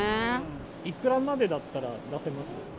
いくらまでだったら出せます